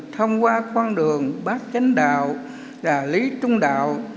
thông qua con đường bác chánh đạo là lý trung đạo